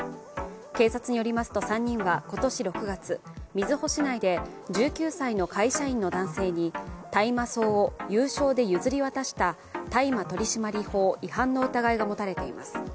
警察によりますと３人は今年６月瑞穂市内で１９歳の会社員の男性に大麻草を有償で譲り渡した大麻取締法違反の疑いが持たれています。